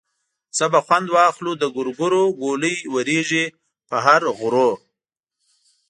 څه به خوند واخلو د ګورګورو ګولۍ ورېږي په هر غرو.